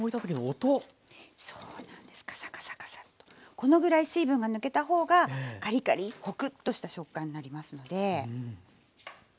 このぐらい水分が抜けた方がカリカリッホクッとした食感になりますので。